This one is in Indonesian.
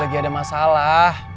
lagi ada masalah